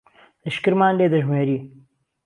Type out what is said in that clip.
لشکرمان لێ دهژمێری